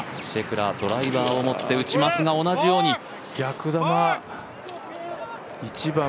シェフラー、ドライバーを持って打ちますが同じように。